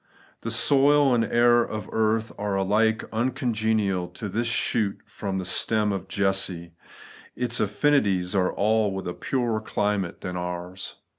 The soil and the air of earth are alike uncongenial to this shoot from the stem of Jesse. Its afl&nities are all with a purer climate than ours.